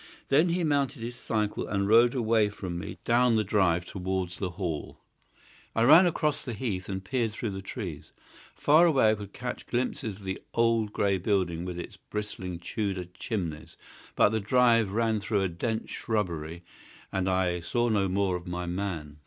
Then he mounted his cycle and rode away from me down the drive towards the Hall. I ran across the heath and peered through the trees. Far away I could catch glimpses of the old grey building with its bristling Tudor chimneys, but the drive ran through a dense shrubbery, and I saw no more of my man.